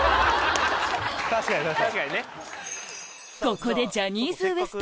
ここでジャニーズＷＥＳＴ